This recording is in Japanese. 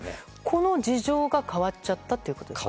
この事情が変わっちゃったと。